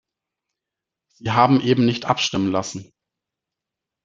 Sie haben eben nicht abstimmen lassen.